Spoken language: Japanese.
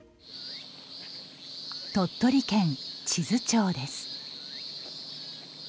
鳥取県智頭町です。